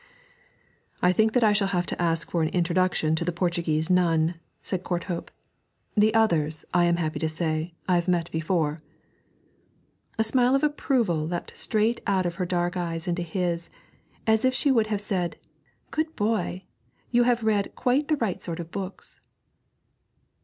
'I think that I shall have to ask for an introduction to the Portuguese nun,' said Courthope; 'the others, I am happy to say, I have met before.' A smile of approval leapt straight out of her dark eyes into his, as if she would have said: 'Good boy! you have read quite the right sort of books!'